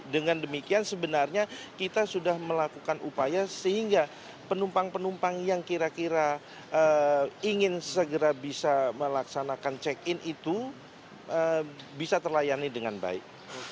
dengan demikian sebenarnya kita sudah melakukan upaya sehingga penumpang penumpang yang kira kira ingin segera bisa melaksanakan check in itu bisa terlayani dengan baik